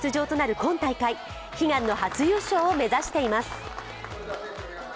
今大会悲願の初優勝を目指しています。